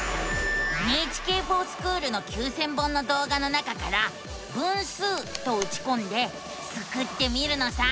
「ＮＨＫｆｏｒＳｃｈｏｏｌ」の９，０００本の動画の中から「分数」とうちこんでスクってみるのさ！